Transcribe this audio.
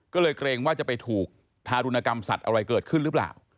ก็เลยเกรงว่าจะไปถูกทารุณกรรมสัตว์อะไรเกิดขึ้นหรือเปล่า